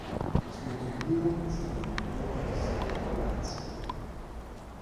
Das Mausoleum ist ein bedeutendes Pilgerziel.